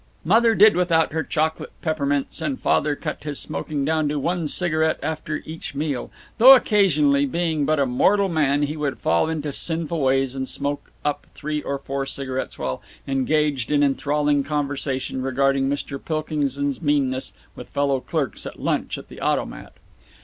Mother did without her chocolate peppermints, and Father cut his smoking down to one cigarette after each meal though occasionally, being but a mortal man, he would fall into sinful ways and smoke up three or four cigarettes while engaged in an enthralling conversation regarding Mr. Pilkings's meanness with fellow clerks at lunch at the Automat.